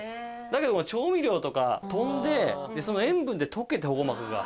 だけど調味料とか飛んでその塩分で溶けて保護膜が。